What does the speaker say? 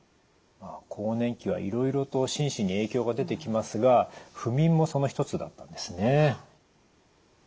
更年期はいろいろと心身に影響が出てきますが不眠もその一つだったんですね。